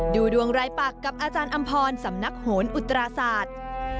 ดูดวงรายปักกับอาจารย์อำพรสำนักโหนอุตราศาสตร์